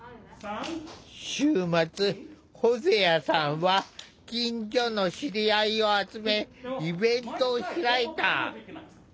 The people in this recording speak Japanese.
週末ホゼアさんは近所の知り合いを集めイベントを開いた。